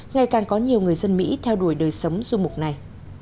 ngày càng có nhiều người dân mỹ theo đuổi đời sống dung mục này